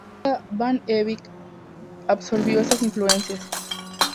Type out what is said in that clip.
Sin duda van Eyck absorbió estas influencias.